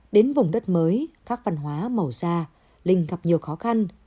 đến vùng đất mới các văn hóa màu da linh gặp nhiều khó khăn